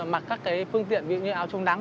mặc các phương tiện như áo chống nắng